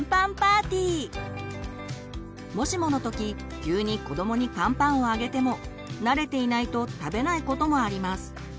もしもの時急に子どもにカンパンをあげても慣れていないと食べないこともあります。